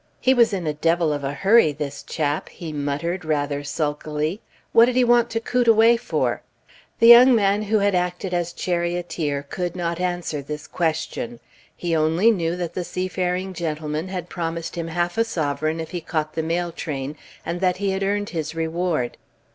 "He was in a devil of a hurry, this chap," he muttered rather sulkily. "What did he want to coot away for?" The young man who had acted as charioteer could not answer this question. He only knew that the seafaring gentleman had promised him half a sovereign if he caught the mail train, and that he had earned his reward.